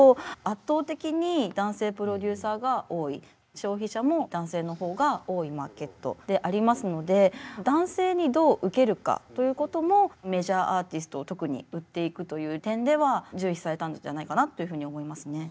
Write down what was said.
消費者も男性のほうが多いマーケットでありますので男性にどう受けるかということもメジャーアーティストを特に売っていくという点では重視されたんじゃないかなというふうに思いますね。